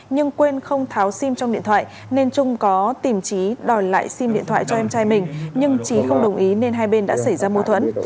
nhưng quên không tháo sim trong điện thoại nên trung có tìm trí đòi lại sim điện thoại cho em trai mình nhưng trí không đồng ý nên hai bên đã xảy ra mâu thuẫn